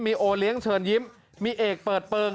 มีโอเลี้ยงเชิญยิ้มมีเอกเปิดเปิง